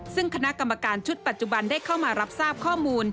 ซึ่งคณะกรรมการชุดปัจจุบันได้เข้ามารับทราบข้อมูล